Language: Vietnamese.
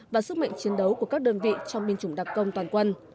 và sức mạnh chiến đấu của các đơn vị trong binh chủng đặc công toàn quân